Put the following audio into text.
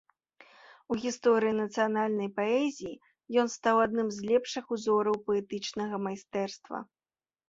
У гісторыі нацыянальнай паэзіі ён стаў адным з лепшых узораў паэтычнага майстэрства.